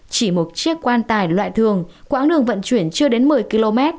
chỉ một chiếc quan tài loại thường quãng đường vận chuyển chưa đến một mươi km